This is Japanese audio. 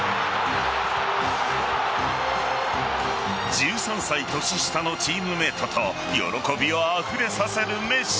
１３歳年下のチームメートと喜びをあふれさせるメッシ。